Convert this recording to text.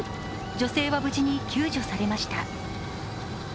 女性は無事に救助されました。